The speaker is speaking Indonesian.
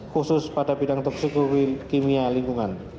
khusus pada bidang toksikologi kimia lingkungan